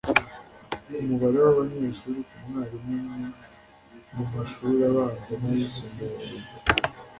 umubare w abanyeshuri ku mwarimu umwe mu mashuri abanza n ayisumbuye ya leta